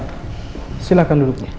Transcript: terima kasih pak